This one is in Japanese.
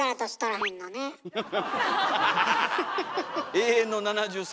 永遠の７３。